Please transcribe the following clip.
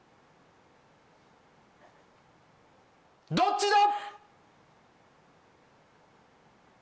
どっちだ！？